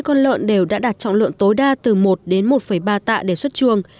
bốn con lợn đều đã đạt trọng lượng tối đa từ một đến một ba tạ để xuất chuông